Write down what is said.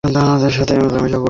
চলো, ওদের সাথে মোলাকাত করা যাক।